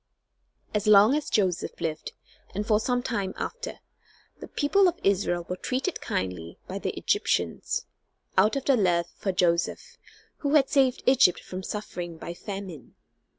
As long as Joseph lived, and for some time after, the people of Israel were treated kindly by the Egyptians, out of their love for Joseph, who had saved Egypt from suffering by famine.